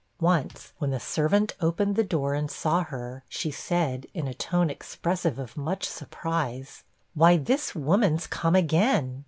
Once, when the servant opened the door and saw her, she said, in a tone expressive of much surprise, 'Why, this woman's come again!'